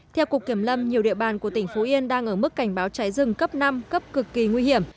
theo cục kiểm lâm nhiều địa bàn của tỉnh phú yên đang ở mức cảnh báo cháy rừng cấp năm cấp cực kỳ nguy hiểm